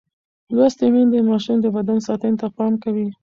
لوستې میندې د ماشوم د بدن ساتنې ته پام کوي.